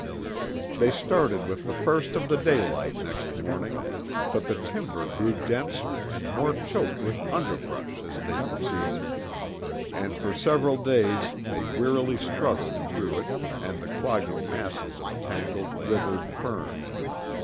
They started with the first of the daylight next morning, but the timber grew denser and more choked with underbrush as they proceeded, and for several days they wearily struggled through it and the clogging masses of tangled, withered fern.